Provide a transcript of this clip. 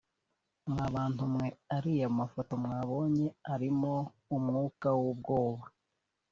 mw’abantu mwe ariya mafoto mwabonye arimo umwuka w’ubwoba